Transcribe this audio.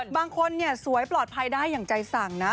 บางคนสวยปลอดภัยได้อย่างใจสั่งนะ